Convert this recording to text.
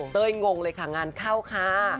เฮ้ยงงเลยค่ะงานเข้าค่ะ